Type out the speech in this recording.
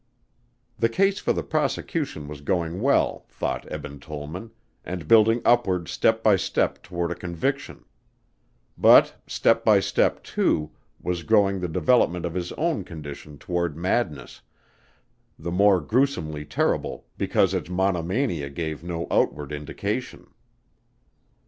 The case for the prosecution was going well, thought Eben Tollman, and building upward step by step toward a conviction. But step by step, too, was growing the development of his own condition toward madness, the more grewsomely terrible because its monomania gave no outward indication.